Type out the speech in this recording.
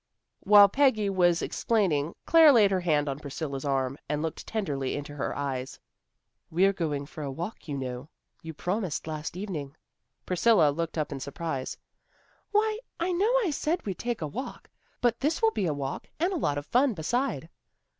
While Peggy was explaining, Claire laid her hand on Priscilla's arm, and looked tenderly into her eyes. "We're going for a walk, you know. You promised last evening." Priscilla looked up in surprise. "Why, I know I said we'd take a walk. But this will be a walk and a lot of fun beside."